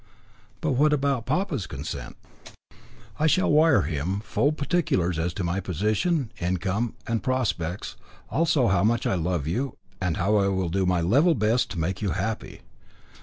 "But what about papa's consent?" "I shall wire to him full particulars as to my position, income, and prospects, also how much I love you, and how I will do my level best to make you happy.